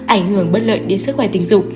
ảnh hưởng bất lợi đến sức khỏe tình dục